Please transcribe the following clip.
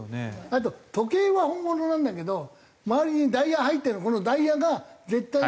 あと時計は本物なんだけど周りにダイヤ入ってるこのダイヤが絶対に入れてない